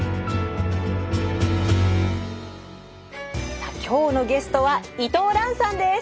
さあ今日のゲストは伊藤蘭さんです。